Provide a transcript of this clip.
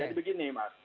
jadi begini mas